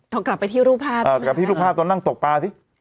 เอากลับไปที่รูปภาพกลับที่รูปภาพตอนนั่งตกปลาสิ